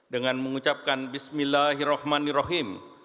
dengan mengucapkan bismillahirrahmanirrahim